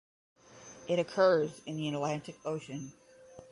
It occurs in the Atlantic Ocean.